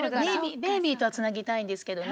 ベイビーとはつなぎたいんですけどね。